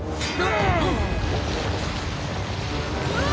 うわ！